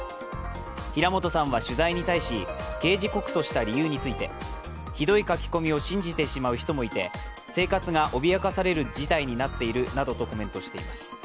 平本さんは取材に対し、刑事告訴した理由についてひどい書き込みを信じてしまう人もいて生活が脅かされる事態になっているなどとコメントしています。